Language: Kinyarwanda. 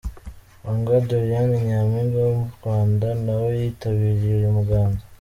Kundwa Doriane , Nyampinga w’u Rwanda nawe yitabiriye uyu muganda.